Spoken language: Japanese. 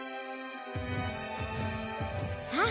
さあ。